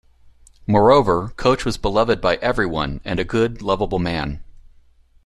Moreover, Coach was beloved by everyone and a good "lovable man".